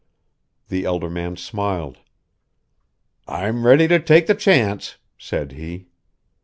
The elder man smiled. "I'm ready to take the chance," said he.